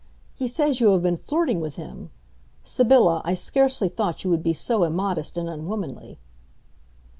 He says you have been flirting with him. Sybylla, I scarcely thought you would be so immodest and unwomanly."